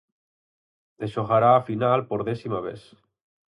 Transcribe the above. E xogará a final por décima vez.